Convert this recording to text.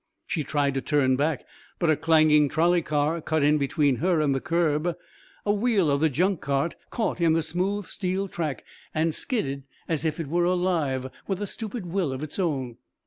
She tried to turn back but a clanging trolley car cut in between her and the curb, a wheel of the junk cart caught in the smooth steel track and skidded as if it were alive with a stupid will of its own.